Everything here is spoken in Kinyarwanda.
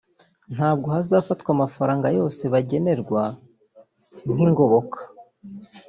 ntabwo hazafatwa amafaranga yose bagenerwa nk’ingoboka